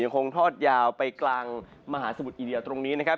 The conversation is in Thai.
คงทอดยาวไปกลางมหาสมุทรอินเดียตรงนี้นะครับ